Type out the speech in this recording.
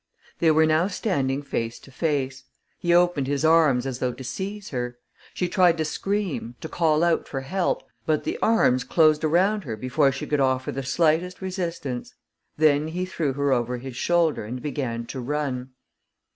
They were now standing face to face. He opened his arms as though to seize her. She tried to scream, to call out for help; but the arms closed around her before she could offer the slightest resistance. Then he threw her over his shoulder and began to run.